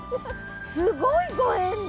すごいご縁ね。